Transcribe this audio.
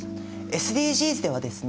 ＳＤＧｓではですね